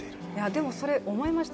でもそれ、思いました。